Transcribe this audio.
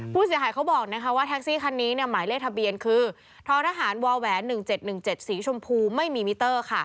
ผู้เสียหายเขาบอกว่าแท็กซี่คันนี้หมายเลขทะเบียนคือท้อทหารว๑๗๑๗สีชมพูไม่มีมิเตอร์